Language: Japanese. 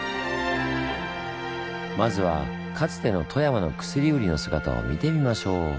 まずはかつての富山の薬売りの姿を見てみましょう。